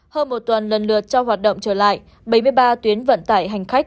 hơn một tuần lần lượt cho hoạt động trở lại bảy mươi ba tuyến vận tải hành khách